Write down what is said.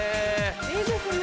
いいですね！